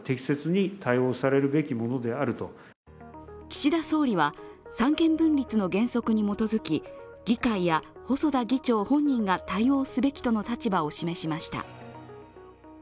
岸田総理は三権分立の原則に基づき議会や細田議長本人が対応すべきとの立場を示しました。